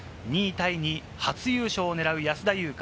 タイに初優勝を狙う安田祐香。